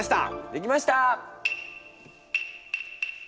できました！